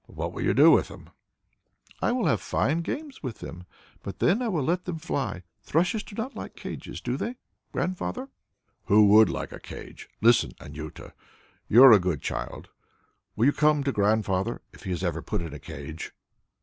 "But what will you do with them?" "I will have fine games with them but then I will let them fly; thrushes do not like cages, do they, Grandfather?" "Who would like a cage? Listen, Anjuta; you are a good child. Will you come to Grandfather, if he is ever put in a cage?"